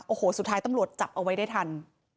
โอ้โหสุดท้ายตำรวจจับเอาไว้ได้ทัน